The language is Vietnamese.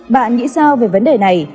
bạn nghĩ sao về vấn đề này